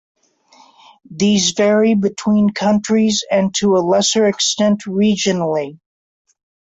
These vary between countries and to a lesser extent regionally.